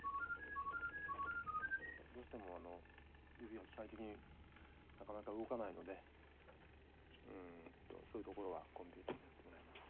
どうしても指は機械的になかなか動かないのでうんとそういうところはコンピューターにやってもらいます。